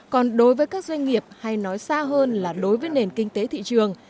còn đối với các doanh nghiệp hay nói xa hơn là đối với nền kinh tế thị trường